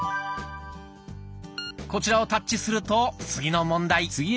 こちらをタッチすると次の問題。